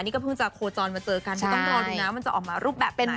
นี่ก็เพิ่งจะโคจรมาเจอกันเพราะต้องรอดูนะว่ามันจะออกมารูปแบบไหนนะจ๊ะ